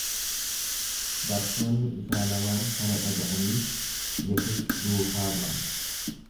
Bartoonni isaa lamaan kana dhaga'anii, Yesus duukaa bu'an.